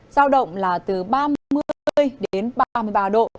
giao động là từ ba mươi đến ba mươi ba độ